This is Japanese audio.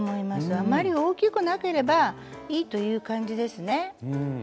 あまり大きくなければいいという感じですね。